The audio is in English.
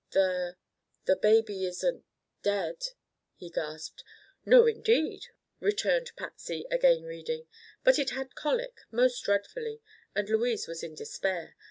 "The—the baby isn't—dead!" he gasped. "No, indeed," returned Patsy, again reading. "But it had colic most dreadfully, and Louise was in despair.